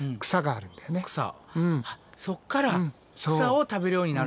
そっから草を食べるようになるんや。